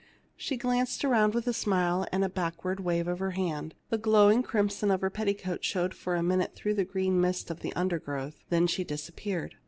She glanced around with a smile and a backward wave of her hand ; the glowing crimson of her petticoat showed for a minute through the green mist of the under growth ; then she disappeared.